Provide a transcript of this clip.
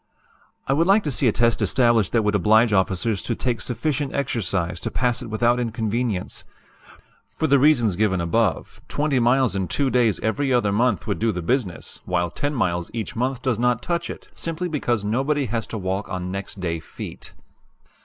"I would like to see a test established that would oblige officers to take sufficient exercise to pass it without inconvenience. For the reasons given above, 20 miles in two days every other month would do the business, while 10 miles each month does not touch it, simply because nobody has to walk on 'next day' feet.